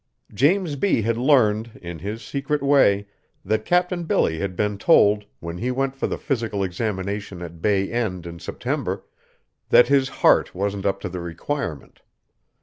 James B. had learned, in his secret way, that Captain Billy had been told, when he went for the physical examination at Bay End in September, that his heart wasn't up to the requirement.